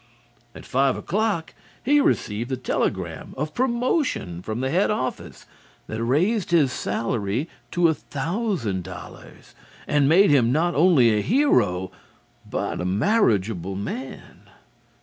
At five o'clock he received the telegram of promotion from the head office that raised his salary to a thousand dollars, and made him not only a hero but a marriageable man.